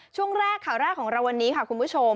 ช่วงแรกข่าวแรกของเราวันนี้ค่ะคุณผู้ชม